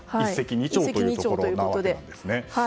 一石二鳥ということで。